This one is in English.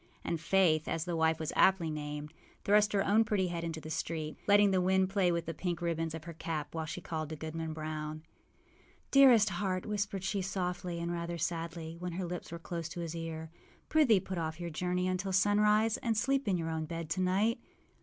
And Faith, as the wife was aptly named, thrust her own pretty head into the street, letting the wind play with the pink ribbons of her cap while she called to Goodman Brown. âDearest heart,â whispered she, softly and rather sadly, when her lips were close to his ear, âprithee put off your journey until sunrise and sleep in your own bed to night.